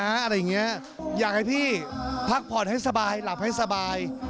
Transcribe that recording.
อะไรอย่างเงี้ยอยากให้พี่พักผ่อนให้สบายหลับให้สบาย